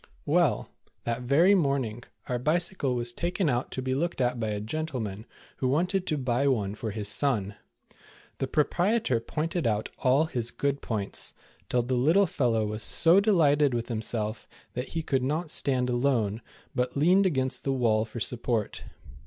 Well, that very morning, our Bicycle was taken out to be looked at by a gentleman, who wanted to buy one for his son. The proprietor pointed out all his good points, till the little fellow was so delighted with himself that he could not stand alone, but leaned against the wall for sup port.